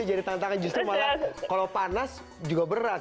itu jadi tantangan justru malah kalau panas juga berat